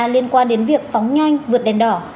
liên quan đến việc phóng nhanh vượt đèn đỏ